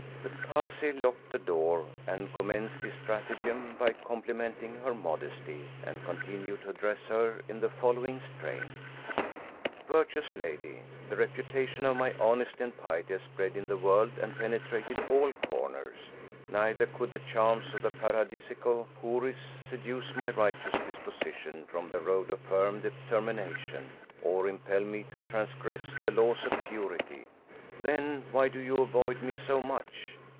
The Kazi locked the door and commenced his stratagem by complimenting her modesty; and continued to address her in the following strain: "Virtuous lady I The reputation of my honesty and piety has spread in the world and penetrated all comers, neither could the charms of the paradisaical Houris seduce my righteous disposition from the road of firm determina tion, or impel me to transgress the laws of purity; then why do you avoid me so much